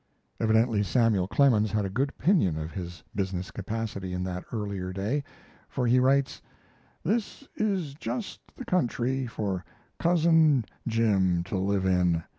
Evidently Samuel Clemens had a good opinion of his business capacity in that earlier day, for he writes: This is just the country for cousin Jim to live in.